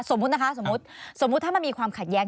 สมมุตินะคะสมมุติสมมุติถ้ามันมีความขัดแย้ง